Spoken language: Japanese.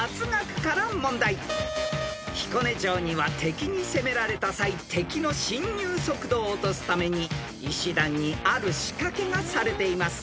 ［彦根城には敵に攻められた際敵の侵入速度を落とすために石段にある仕掛けがされています］